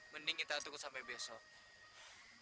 mending kita tunggu sampai besok